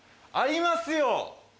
ありますよ！